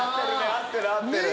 合ってる合ってる。